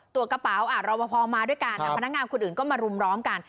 ตัวกระเป๋ารอปภมาด้วยกันพนักงานคนอื่นก็มารุมล้อมกัน